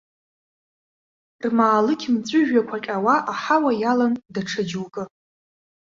Рмаалықь мҵәыжәҩақәа ҟьауа аҳауа иалан, даҽа џьоукы.